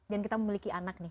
dan kita memiliki anak nih